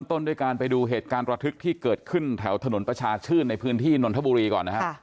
ต้นด้วยการไปดูเหตุการณ์ระทึกที่เกิดขึ้นแถวถนนประชาชื่นในพื้นที่นนทบุรีก่อนนะฮะ